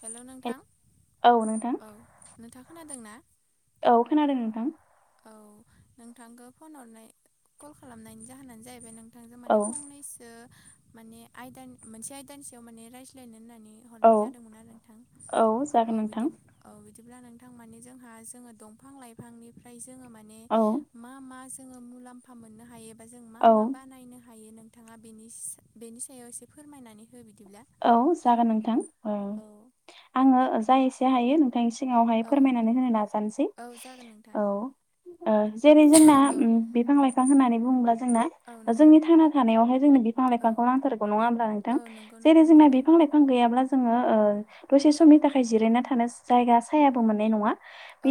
Hello नोंथां औ नोंथां औ नोंथां खोनादों ना? औ खोनादों नोंथां औ नोंथांखौ फन हरनाय कल खालामनायनि जाहोनानो जाहैबाय नों थांजों औ माने फंनैसो माने आयदानि मोनसे आयदानि सायाव माने रायज्लायनो होननानै औ हरनाय जादोंमोन आरो नोंथां औ जागोन औ नोंथां बिदि औ बिदिब्ला नोंथां माने जोंहा जोङो दंफां लाइफांनिफ्राय जोङो माने औ मा मा जोङो मुलामफा मोननो हायोबा जों मा औ मा बानायनो हायो नों थाङा बेनि बेनि सायाव एसे फोरमायनानै हो बिदिब्ला औ जागोन नोंथां औ आङो जा एसे हायो नोंथां एसे सिगाङावहाय औ फोरमायनानै होनो नाजानोसै औ जागोन नोंथां औ ओ जेरै जोंना औ उम बिफां लाइफां होननानै बुङोब्ला जोंना औ नंगौ जोंनि थांना थानायावहाय जोंनो बिफां औ लाइफांखौ नांथारगौ नङा होमबा नोंथां औ नंगौ जेरै नोंथां जोंना बिफां नंगौ बिफां लाइफां गैयाब्ला जोङो ओ दसे समनि थाखाय जिरायना थानो जायगा सायाबो मोननाय नङा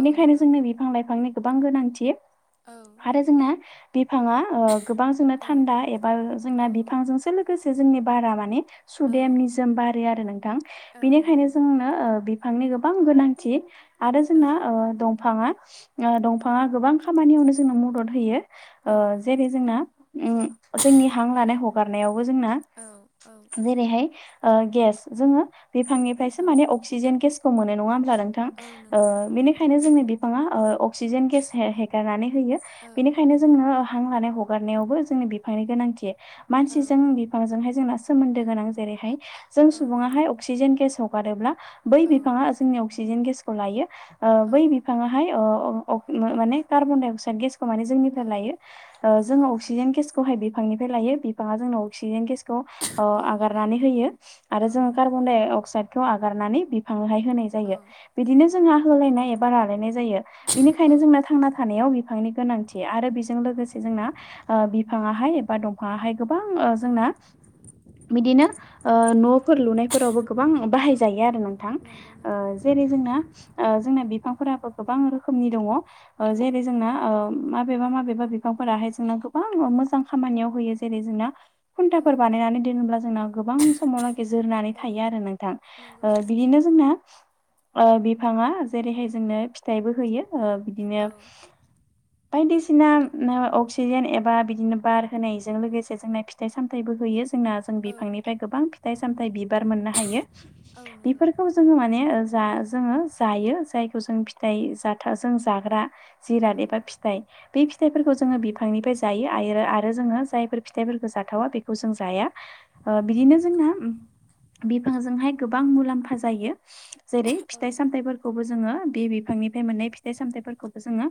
औ नंगौ जोंनो बिफां लाइफांनि गोबां गोनांथि औ आरो जोंना बिफाङा ओ गोबां औ थानदा एबा औ जोंना बिफांजोंसो लोगोसे जोंनि बारा माने औ सुदेम निजोम बारो आरो नोंथां औ बेनिखायनो नंगौ जोंनो ओ बिफांनि गोबां गोनांथि आरो औ जोंना दंफाङा दंफाङा गोबां खामानियावनो जोंनो मदद होयो ओ औ नंगौ जेरै जोंना उम जोंनि हां नंगौ लानाय हगारनायावबो जोंना औ औ जेरैहाय गेस ओ जोङो बिफांनिफ्रायसो औ माने अक्सिजेन गेसखौ मोनो नङा होनब्ला नोंथां औ थां नंगौ ओ नोंथां नंगौ बेनिखायनो जोंनि बिफाङा अक्सिजेन गेस हेगारनानै होयो औ बेनिखायनो नंगौ जोंनो हां लानाय हगारनायावबो जोंनि बिफांनि गोनांथि औ मानसिजों बि बिफांजोंहाय जोंना सोमोनदो गोनां जेरैहाय जों औ नंगौ सुबुङाहाय अक्सिजेन गेस हगारोब्ला बै औ बिफाङा जोंनि अक्सिजेन गेसखौ लायो ओ औ बै बिफाङा ओमफाय ओ माने कारबन डाइ अक्साइ गेस खौ औ जोंनिफ्राय लायो ओ नंगौ जोङो अक्सिजेन गेस खौहाय बिफांनिफ्राय लायो बिफाङा जोंनाव अक्सिजेन गेसखौ ओ औ नंगौ आगारनानै होयो औ आरो जोङो नंगौ कार्बन डाय अक्साइदखौ आगारनानै बिफांहाय औ होनाय बिदिनो नंगौ जोंहा होलायनाय एबा लालायनाय जायो औ बिनिखायनो जों थांना थानायाव बिफांनि गोनांथि आरो बेजों लोगोसे जोंना बिफाङाहाय एबा दं फाङाय गोबां औ जोंना बिदिनो ओ न'फोर लुनायफोरावबो गोबां औ बाहायजायो आरो नोंथां नंगौ नोंथां नंगौ जेरै जोंना ओ जोंना बिफांफोराबो गोबां रोखोमनि दङ औ जेरै जोंना ओ माबेबा माबेबा बिफांफोराहाय जोंना गोबां मोजां खामानियाव होयो जेरै जोंना औ खुन्टाफोर बानायनानै दोनोब्ला जोंनााव गोबां समावलागि जोरनानै औ थायो आरो नोंथां नंगौ ओ नोंथां बिदिनो जोंना ओ बिफाङा जेरैहाय जोंनो फिथाइबो होयो बिदिनो औ बायदिसिना अक्सिजेन एबा बिदिनो बार होनायजों लोगोसे जोंना फिथाइ सामथाइबो होयो जोंना जों औ बिफांनिफ्राय गोबां फिथाइ सामथाइ बिबार मोननो हायो औ नंगौ बेफोरखौ जोङो माने जोङो जायो जायखौ जों फिथाइ जाथा जों जाग्रा जिराद औ एबा फिथाइ बे औ फिथाइफोरखौ जोङो नंगौ बिफांनिफ्राय जायो आरो जोङो जायफोर फिथाइफोरखौ जाथावा बेखौ जों औ जाया औ ओ नंगौ बिदिनो जोंना बिफांजोंहाय गोबां मुलाम्फा जायो जेरै औ फिथाइ सामथाइफोर खौबो जोङो बे बिफांनिफ्राय मोननाय फिथाइ सामथाइफोरखौबो जोङो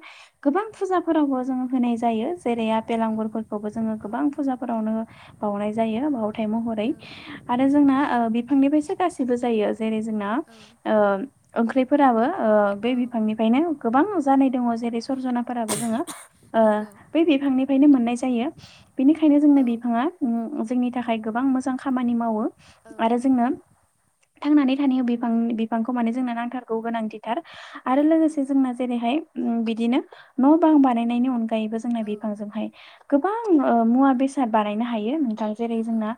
गोबां औ फुजाफोरावबो जोङो होनाय जायो जेरै आपेल नंगौ आंगुरफोरखौबो जोङो औ गोबां नंगौ फुजाफोरावनो नोंथां बाउनाय जायो बावथाय महरै औ आरो जोंना बिफांनिफ्रायसो गासिबो जायो जेरै जोंना औ ओ ओंख्रिफोराबो ओ बे औ बिफांनिफ्रायनो गोबां जानाय दङ जेरै सरजनाफोराबो जोङो ओ नंगौ बै बिफांनिफ्रायनो मोननाय जायो बेनिखायनो जोंनो औ बिफाङा जोंनि थाखाय गोबां मोजां खामानि मावो औ आरो जोंनो नंगौ थांनानै थानायाव बिफां बिफांखौ माने जोंनो नांथारगौ गोनांथिथार औ आरो नंगौ लोगोसे जोंना जेरैहाय बिदिनो न' बां बानायनायनि अनगायैबो जोंना औ बिफांजोंहाय गोबां मुवा बेसाद बानायनो हायो नोंथां जेरै नंगौ जोंना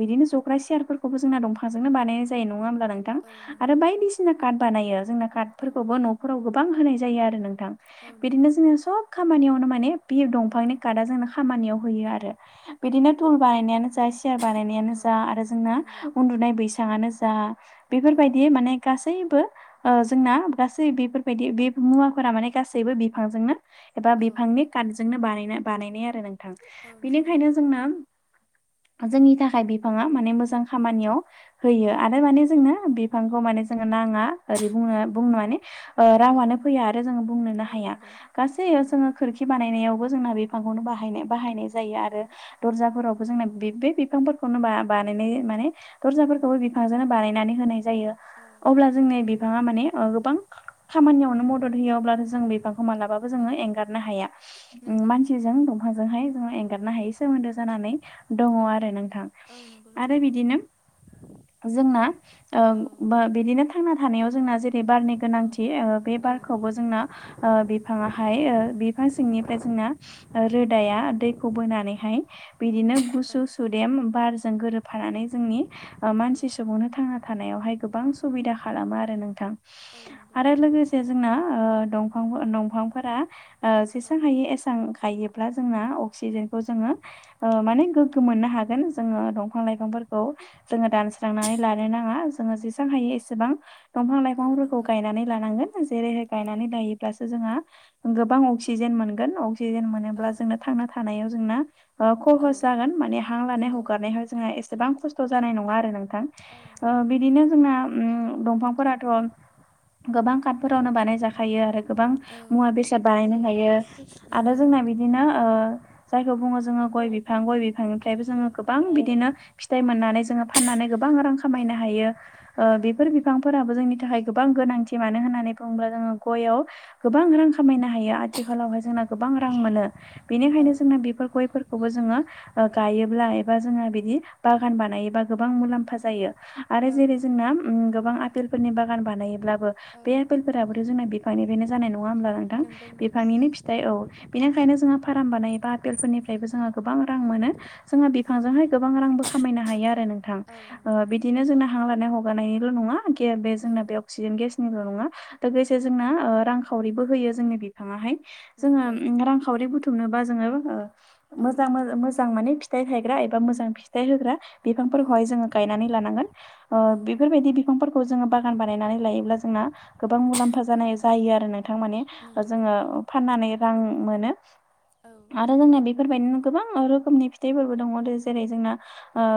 बिदिनो जग्रा सियारफोरखौबो जोंना दंफांजोंनो बानायनाय जायो नंङा होमब्ला नों नोंथां औ आरो नंगौ नोंथां बायदिसिना कार्ड बानायो जोंना औ कार्दफोरखौबो न'फोराव गोबां होनाय जायो आरो नोंथां औ बिदिनो नंगौ जोंङो सब खामानियावनो माने बि दंफांनि गार्डा जोंनो खामानियाव होयो आरो औ बिदिनो तुलबानायनायानो जा सियार औ बानायनायानो औ जा आरो जोंना नंगौ उन्दुनाय बैसांनो जा औ बेफोरबायदि माने गासैबो जोंना गासै बेफोरबायदि बे मुवाफोरा माने गासैबो बिफांजोंनो एबा औ बिफांनि कारटजोंनो बानायना बानायनाय आरो नोंथां औ नंगौ बिनिखायनो नोंथां जोंना जोंनि थाखाय बिफांङा माने मोजां औ खामानियाव औ होयो आरो माने जोंनो बिफांखौ माने जोंङो नांङा ओरै बुंनो बुंनो माने ओ रावानो फैया आरो जोंङो बुंनोनो औ हाया नंगौ गासै औ जोंङो नंगौ खोरखि बानायनायावबो जों बिफांखौनो बानाय जायो औ आरो दा फोराव जों बिफांफोरखौनो बानाय माने दरजाफोरखौबो बिफांजोंनो बानायनानै होनाय जायो औ अब्ला नंगौ जोंनि बिफांङा माने गोबां खामानियावनो मदद होयोब्लाथ' जों बिफांखौ मालाबा औ जोंङो एंगारनो हाया नंगौ मानसिजों दंफांजों एंगारनो हायै सोमोनदो जानानै दंङो औ आरो नोंथां औ नंगौ आरो नोंथां बिदिनो जोंना औ बिदिनो थांना थानायाव जोंना जेरै बारनि औ गोनांथि बे औ बारखौबो जोंना बिफांङाहाय बिफां सिंनिफ्राय जोंना रोदाया दैखौ बोनानैहाय बिदिनो औ गुसु सुदेम बारजों गोरोबफानानै जोंनि मानसि सुबुंनो थांनानै थानायावहाय गोबां सुबिदा खालामो आरो नोंथां औ नंगौ आरो नोंथां लोगोसे जोंना ओ दंफांफोरा दंफांफोरा औ जेसा हायो जोंना अक्सिजेनखौ जोंङो माने गोग्गो मोननो हागोन जोंङो दंफां लाइफांफोरखौ जोंङो दानस्रांनानै लानो नाङा जोंङो जेसेबां हायो एसेबां दंफां औ औ लाइफांफोरखौ नंगौ गायनानै लानांगोन जेरैहाय औ गायनानै लायो। अब्लासो जोंहा गोबां अक्सिजेन मोनगोन अक्सिजेन औ मोनोब्ला जोंना थांना थानायाव जोंना औ खहस जागोन माने हां लानाय नंगौ हगारनायाव जोंहा एसेबां खस्थ' जानाय नंङा आरो नोंथां औ नंगौ बिदिनो जोंना दंफांफोराथ' गोबां काटफोरावनो बानायजाखायो आरो गोबां औ मुवा बेसाद बानायनो हायो आरो नंगौ जोंना बिदिनो जायखौ बुंङो जोंङो गय बिफां गय बिफांनिफ्रायबो जोंङो गोबां बिदिनो फिथाइ मोननानै जोंङो फाननानै गोबां रां औ खामायनो हायो नंगौ बेफोर बिफांफोराबो जोंनि थाखाय गोबां गोनांथि मानो होननानै बुंङोब्ला जोंङो गययाव गोबां रां खामायनो हायो आथिखालावहाय जोंना गोबां रां मोनो औ बेनिखायनो जोंना नंगौ बेफोर गयफोरखौ खौबो जोंङो गायोब्ला एबा जोङहा बिदि बागान बानायबा गोबां मुलाम्फा जायो। आरो औ जेरै नंगौ जोंना गोबां आपेलफोरनि बागान बानायोब्लाबो औ बे एपेलफोराबोथ' जोंना बिफांनिफ्रायनो जानाय नंङा होमब्ला नोंथां नंगौ बिफांनिनो नोंथां फिथाइ औ बेनिखायनो जोंहा फ्राम बानायोबा आपेलफोरनि बो जोंहा गोबां रां मोनो जोंहा बिफांजोंहाय गोबां रांबो खामायनो हायो आरो नंगौ बिदिनो जोंना हां लानाय हगारनिल' नंङा बे औ जोंना बेयाव अक्सिजेन गेसनिल' नंङा लोगोसे जोंना रांखावरिबो होयो जोंनि नंगौ जों रांखावरि बुथुमनोा जों औ मोजां मोजां माने फिथाइ थायग्रा एबा मोजां फिथाइ होग्रा बिफांफोरखौहाय जोङो गायनानै लानांगोन नंगौ औ नंगौ बेफोरबायदि बिफांफोरखौ खौ जोङो बागान बानायनानै लायोब्ला जोंना गोबां मुलाम्फा औ जानाय जायो आरो नोंथां माने नंगौ जोङो नोंथां नंगौ फाननानै रां मोनो औ दा औ जोंना बेफोरबायदिनो गोबां रोखोमनि फिथाइफोरबो दङ जेरै जोंना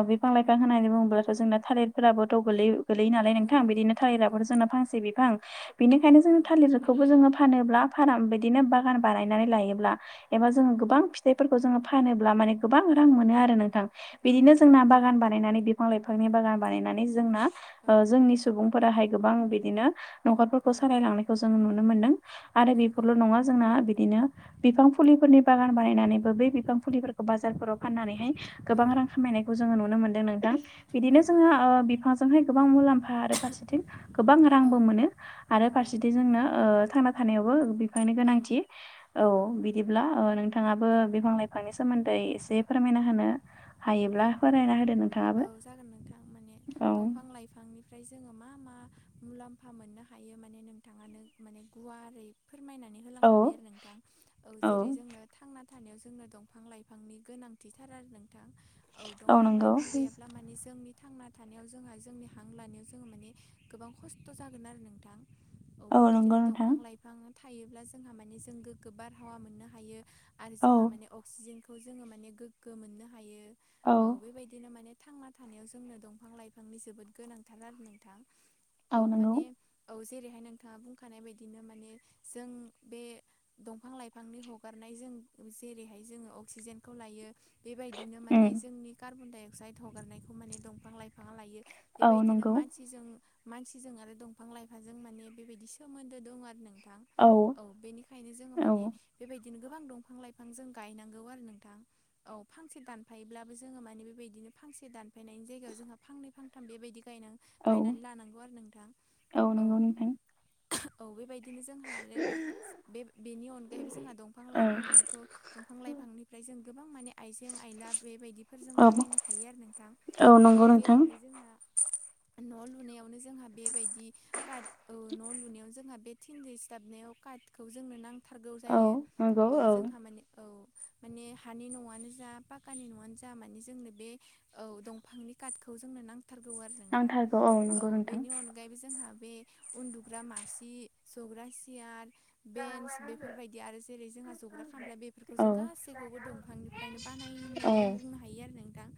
बिफां लाइफां होननानै बुङोब्लाथ' जोंना थालिरफोराबो दाव गोलैयो गोलैयो नालाय नोंथां नंगौ बिदिनो नंगौ थालिराफोर जोंना फांसे बिफां बेनिखायनो औ जों थालिर खौबो जोङो फानोब्ला फार्म बिदिनो बागान बानायनानै लायोब्ला एबा जोङो गोबां ायफोरखौ जोङो फानोब्ला माने गोबां रां मोनो आरो नोंथां औ बिदिनो जोंना नंगौ बागान बानायनानै फां लाइफांनि बागान बानायनानै जोंना औ जोंनि सुबुंफोराहाय गोबां बिदिनो न'खरफोरखौ औ सालायलांनायखौ जों नुनो मोन्दों आरो नंगौ बेफोरल' नङा जोंना बिदिनो बिफां फुलिफोरनि बागान बानायनानैबो बै बिफां फुलिफोरखौ बाजारफोराव फाननानैहाय औ गोबां रां खामायनायखौ जोङो नुनो मोनदों नोंथां बिदिनो नंगौ जोङो बिफांजोंहाय गोबां मुलाम्फा आरो फारसेथिं गोबां औ रांबो मोनो आरो नंगौ फारसेथिं जोंनो थांना फानायावबो बिफांनि औ गोनांथि औ नंगौ बिदिब्ला नोंथाङाबो औ बिफां लाइफांनि सोमोन्दै एसे फोरमायना होनो हायोब्ला फोरमायना होदों औ जागोन नोंथां माने दंफां लाइफां बिफांनिफ्राय जोङो मा मा मुलाम्फा मोननो हायो माने नोंथाङानो माने गुवारै फोरमायनानै औ होलांखाबाय आरो नोंथां औ जेरै जोंनो थांना थानायाव जोंनो दंफां लाइफांनि गोनांथिथार आरो नोंथां औ दंफां लाइफां अब्ला माने जोंनि थांना थानायाव जोंहा जोंनि हां लानायाव जोङो माने गोबां खस्थ जागोन आरो नोंथां औ नंगौ बेबायदिनो नोंथां दंफां लाइफां बिफांा थायोब्ला जोंहा माने जों गोग्गो बारहावा मोननो हायो आरो औ जोंहा माने अक्सिजेनखौ जोो माने गोगो मोननो हायो औ बेबायदि बिदिनो माने थांना थानायाव जोंनो दंफां लाइफांनि जोबोद गोनांथार आरो नोंथां औ माने औ जेरैहाय नोंथाङा बुंखानाय बायदिनो माने जों बे दंफां लाइफांनि हगारनायजों जेरैहाय जोङो अक्सिजेनखौ लायो बेबायदिनो उम माने जोंनि कार्बन डाइ अक्साइड हगारनायखौ माने दंफां लाइफां लायो औ बेबायदिनो नंगौ मानसि मानसिजों मानसिजों आरो दंफां लाइफाजों माने बेबायदि सोमोन्दो दं आरो नोंथां औ औ बेनिखायनो जोङो माने औ बेबायदिनो गोबां दंफां लाइफां जों गायनांगौ आरो नोंथां औ फांसे दानफायोब्लाबो जोङो माने बेबायदि बिदिनो फांसे दानफैनायनि जायगायाव जोंहा फांनै फांथाम बेबायदि गायनांगौ औ गायनानै लानांगौ आरो नोंथां औ नंगौ नोंथां। औ औ बेबायदिनो जोंहा आरो बे बेनि अनगायैबो जोंहा दंफां औ लाइफांखौ दंफां लाइफांनिफ्राय जों गोबां माने आइजें आइला बेबायदिफोरजों औ बानायनो हायो आरो नोंथां औ नंगौ नोंथां। जेरैहाय जोंहा न' लुनायावनो जोंहा बेबायदि कात न' लुनायाव जोंहा बे थिनदि सिथाबनायाव काटखौ जोंनो नांथारगौ जायो औ जोंहा माने औ माने हानि न'आनो जा पाकानि न'आनो जा माने जोंनो बे औ दंफांनि काटखौ जोंनो नांथारगौ आरो नोंथां नांथारगौ औ नंगौ नोंथां। बेनि अन गायैबो जोंहा बे उन्दुग्रा मासि जग्रा सियार बेन्स बेफोरबायदि आरो जेरै जोंहा जग्रा खामफ्लाय बेफोरखौ औ जों गासैखौबो दं बिफांनिफ्रायनो बानायो होननानै जों बुंनो हायो आरो नोंथां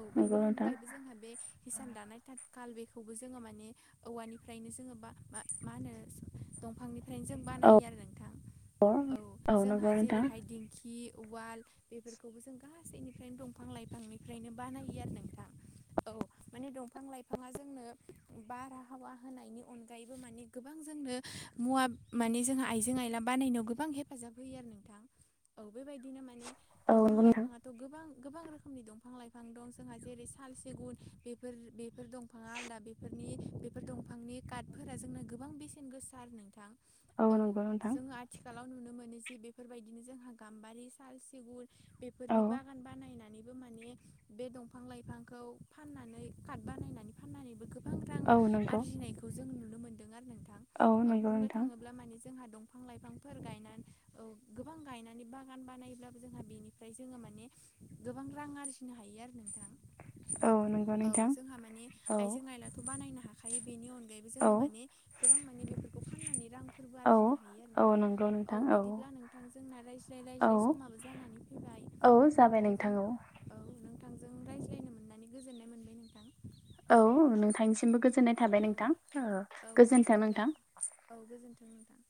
औ बेनि नंगौ नोंथां अनगायैबो जोंहा बे हिसान दानाय थाथ खाल बेखौबो जोङो माने औवानिफ्रायनो जोङो बा मा होनो दंफांनिफ्रायनो जों औ बानायो आरो नोंथां औ जोंहा नंगौ नोंथां जेरैहाय दिं खि उवाल बेफोरखौबो जों गासैनिफ्रायनो दंफां लाइफांनि बानायो आरो नोंथां औ माने दंफां लाइफाङा जोंनो बारहावा होनायनि अनगायैबो माने गोबां जोंनो मुवा माने जोंहा आइजें आइला बानायनायाव गोबां हेफाजाब होयो आरो नोंथां औ बेबायदिनो माने औ दंफां नंगौ नोंथां लाइफाङाथ गोबां गोबां रोखोमनि दंफां बिफां लाइफां दं जोंहा जेरै साल सिगुन बेफोर बेफोर दंफाङा आदा बेफोरनि दंफांनि कार्टफोरा जोंनो गोबां बेसेन गोसा आरो नोंथां औ नंगौ नोंथां जोंङो आथिखालाव नुनो मोनो जे बेफोरबायदिनो जोंहा गाम्बारि साल सिगुर औ बेफोरनि बागान बानायनानै माने बे दंफां लायफांखौ फाननानै काट बानायनानै फाननानैबो गोबां गोबां औ रां नंगौ आरजिनायखौ जों नुनो मोनदों आरो नोंथां औ नंगौ बुंनो नोंथां थाङोब्ला माने जोंहा दं बिफां लाइफांफोर गायनानै औ गोबां गायनानै बागान बानायब्लाबो जोंहा बिनिफ्राय जोङो माने गोबां रां आरजिनो नो हायो आरो नोंथां औ नंगौ औ नोंथां जोंहा मानिे औ आइजें आइलाथ बानायनो हायो खायो बेनि अनगायैबो औ जोङो माने गोबां माने बेफोरखौ फाननानै रां फोरबो औ आरजिनो हायो आरो औ नोंथां नंगौ औ नोंथां बिदिब्ला नोंथां जोंना रायज्लाय औ रायज्लाय समाबो जानानै फैबाय औ जाबाय नोंथांजों नोंथांनाव औ नोंथांजों रायज्लायनो मोननानै गोजोननाय मोनबाय नोंथां। औ नोंथांनिसिमबो गोजोननाय थाबाय औ नोंथां औ दे गोजोन्थों बिदिब्ला नोंथां। औ गोजोन्थों नोंथां।